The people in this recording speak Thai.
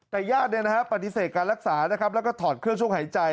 แต่ญาติปฏิเสธการรักษานะครับแล้วก็ถอดเครื่องช่วยหายใจ